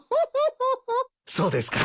そうですか。